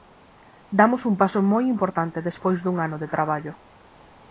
Damos un paso moi importante despois dun ano de traballo.